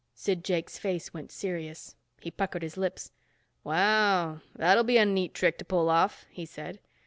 Sid Jakes' face went serious. He puckered up his lips. "Wow, that'll be a neat trick to pull off," he said.